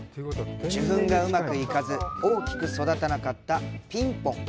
受粉がうまくいかず大きく育たなかった「ピンポン」。